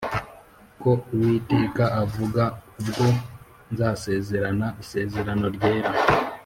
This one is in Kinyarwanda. ko uwiteka avuga ubwo nzasezerana isezerano ryera